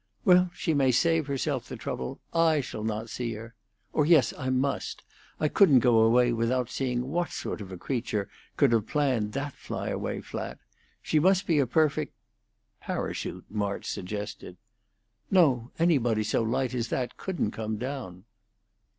"Well, she may save herself the trouble. I shall not see her. Or yes I must. I couldn't go away without seeing what sort of creature could have planned that fly away flat. She must be a perfect " "Parachute," March suggested. "No! anybody so light as that couldn't come down."